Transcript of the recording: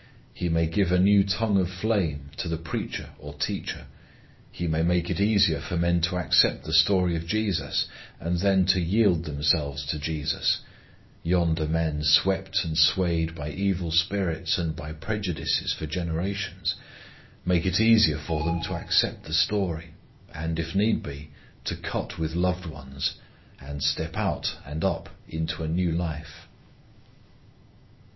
He may give a new tongue of flame to the preacher or teacher. He may make it easier for men to accept the story of Jesus, and then to yield themselves to Jesus yonder men swept and swayed by evil spirits, and by prejudices for generations make it easier for them to accept the story, and, if need be, to cut with loved ones, and step out and up into a new life.